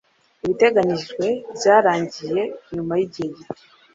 Ibiteganijwe byarangiye nyuma yigihe gito.